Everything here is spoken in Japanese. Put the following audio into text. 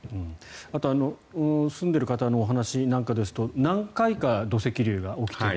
あと住んでいる方のお話なんかですと何回か土石流が起きている。